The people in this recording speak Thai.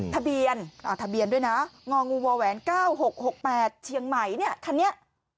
ทะเบียนทะเบียนด้วยนะงงูวแหวน๙๖๖๘เชียงใหม่เนี่ยคันนี้